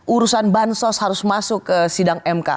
urusan bansos harus masuk ke sidang mk